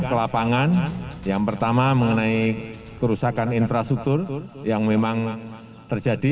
ke lapangan yang pertama mengenai kerusakan infrastruktur yang memang terjadi